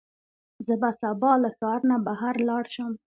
زه به سبا له ښار نه بهر لاړ شم.